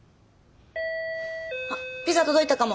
あっピザ届いたかも。